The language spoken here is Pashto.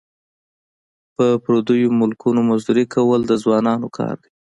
په پردیو ملکونو مزدوري کول د ځوانانو کار دی.